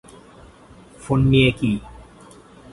Phone নিয়ে কি?